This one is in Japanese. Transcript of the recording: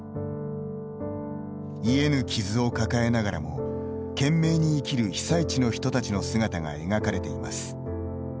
癒えぬ傷を抱えながらも、懸命に生きる被災地の人たちの姿が描かれています。